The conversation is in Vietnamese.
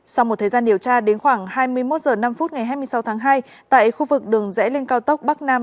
sau một thời gian điều tra đến khoảng hai mươi một h năm ngày hai mươi sáu tháng hai tại khu vực đường rẽ lên cao tốc bắc nam